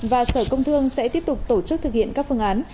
và sở công thương sẽ tiếp tục tổ chức thực hiện các phương án